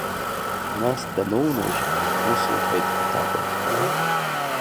Нас даноунажь, ус лҳәеит аҭакәажә.